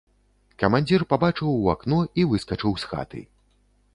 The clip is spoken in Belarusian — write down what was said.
Камандзір пабачыў у акно і выскачыў з хаты.